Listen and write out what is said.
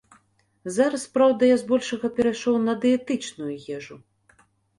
Зараз, праўда, я з большага перайшоў на дыетычную ежу.